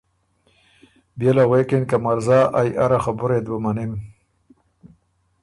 بيې له غوېکِن که مرزا ائ اره خبُرئ ات بُو مَنِم۔